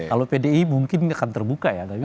kalau pdi mungkin akan terbuka ya